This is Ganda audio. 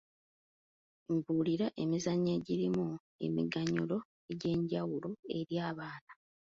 Mbuulira emizannyo egirimu emiganyulo egy'enjawulo eri abaana?